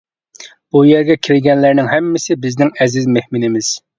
-بۇ يەرگە كىرگەنلەرنىڭ ھەممىسى بىزنىڭ ئەزىز مېھمىنىمىز.